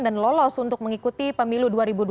dan lolos untuk mengikuti pemilu dua ribu dua puluh empat